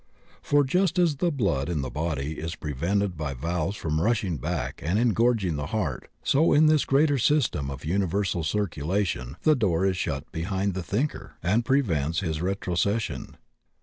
For just as the blood in the body is prevented by valves from rushing back and engorg ing the heart, so in this greater system of universal circulation the door is shut behind the Thinker and THE DOOR SHUT BELOW US 69 prevents his retrocession.